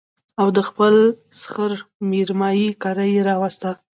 او د خپل سخر مېرمايي کره يې راوسته